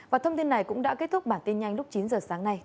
và thông tin này cũng đã kết thúc bản tin nhanh lúc chín giờ sáng nay